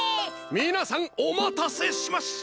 みなさんおまたせしました！